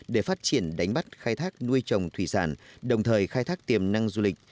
để phát triển đánh bắt khai thác nuôi trồng thủy sản đồng thời khai thác tiềm năng du lịch